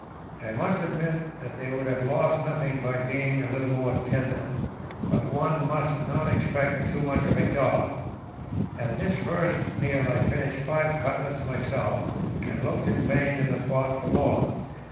I must admit that they would have lost nothing by being a little more tender, but one must not expect too much of a dog. At this first meal I finished five cutlets myself, and looked in vain in the pot for more.